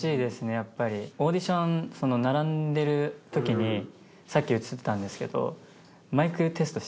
やっぱりオーディション並んでるときにさっき映ったんですけどマイクテストしてたんです。